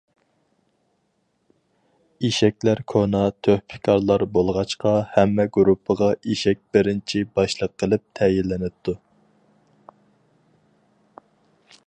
ئېشەكلەر كونا تۆھپىكارلار بولغاچقا ھەممە گۇرۇپپىغا ئېشەك بىرىنچى باشلىق قىلىپ تەيىنلىنىپتۇ.